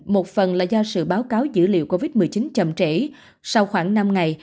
một phần là do sự báo cáo dữ liệu covid một mươi chín chậm trễ sau khoảng năm ngày